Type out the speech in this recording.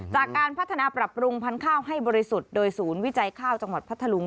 จากการพัฒนาปรับปรุงพันธุ์ข้าวให้บริสุทธิ์โดยศูนย์วิจัยข้าวจังหวัดพัทธลุง